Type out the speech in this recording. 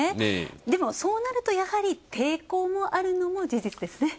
でも、そうなると抵抗もあるのも事実ですね。